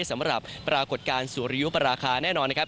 สำหรับปรากฏการณ์สุริยุปราคาแน่นอนนะครับ